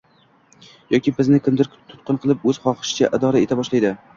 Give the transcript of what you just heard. yoki bizni kimdir tutqun qilib o‘z xohishicha idora eta boshlaydi.